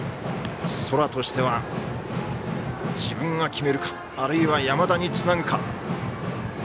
空としては、自分が決めるかあるいは山田につなぐか。